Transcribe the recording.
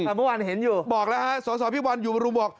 ศพี่วันเห็นอยู่บอกแล้วฮะศพี่วันอยู่บำรุงบอก